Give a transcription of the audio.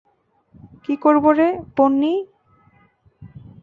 কী করবো রে, পোন্নি?